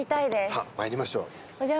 さあ参りましょう。